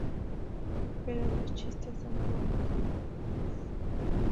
Pero los chistes son pocos y mediocres.